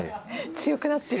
強くなってる。